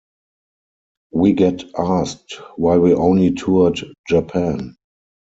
We get asked why we only toured Japan.